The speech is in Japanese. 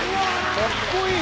かっこいい。